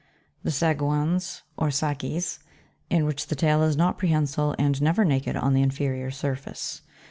22. The SAGOUINS, or SAKIS, in which the tail is not prehen sile, and never naked on the inferior surface.